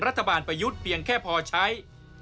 ประยุทธ์เพียงแค่พอใช้